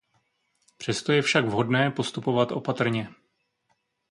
Přesto je však vhodné postupovat opatrně.